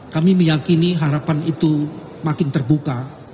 kami meyakini harapan itu makin terbuka